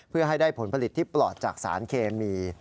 เพื่อให้ได้ผลผลิตที่ปลอดจากสารเคมี